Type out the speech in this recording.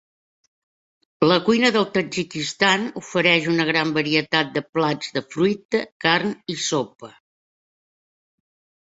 La cuina del Tadjikistan ofereix una gran varietat de plats de fruita, carn i sopa.